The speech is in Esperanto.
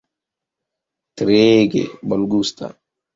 Treege bongusta!